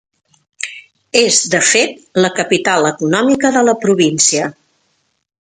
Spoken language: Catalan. És de fet la capital econòmica de la província.